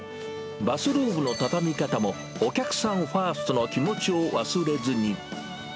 バスローブの畳み方もお客さんファーストの気持ちを忘れずに。